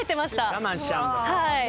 我慢しちゃうんだ。